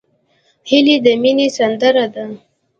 هیلۍ د مینې سندره ده